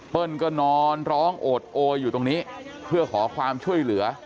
ก็นอนร้องโอดโออยู่ตรงนี้เพื่อขอความช่วยเหลือ